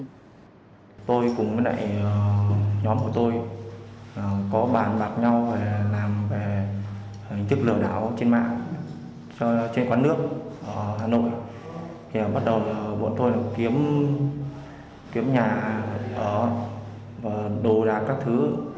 hình thức lừa đảo trên mạng trên quán nước hà nội bắt đầu bọn tôi kiếm nhà đồ đá các thứ